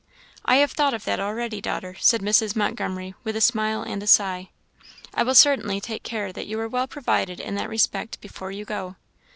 "I have thought of that already, daughter," said Mrs. Montgomery, with a smile and a sigh. "I will certainly take care that you are well provided in that respect before you go."